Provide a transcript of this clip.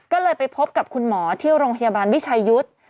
ก็เลยไปพบกับคุณหมอที่โรงพยาบาลวิชัยยุทธ์